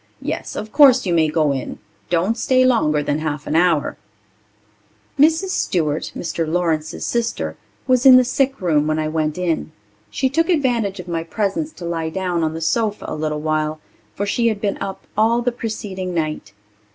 Yes, of course you may go in. Don't stay longer than half an hour." Mrs. Stewart, Mr. Lawrence's sister, was in the sickroom when I went in. She took advantage of my presence to lie down on the sofa a little while, for she had been up all the preceding night.